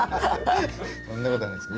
そんなことはないです。